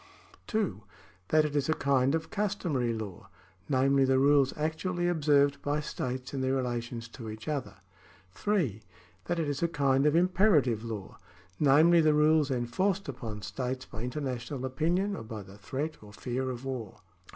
(2) That it is a kind of customary law, namely the rules actually observed by states in their relations to each other. (3) That it is a kind of imperative law, namely the rules enforced upon states by international opinion or by the threat or fear of war.